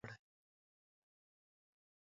او یا بل چا په ډوډۍ عادت کړی